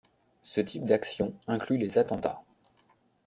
Ce type d'actions inclut les attentats.